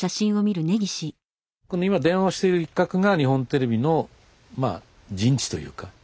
この今電話している一角が日本テレビの陣地というか。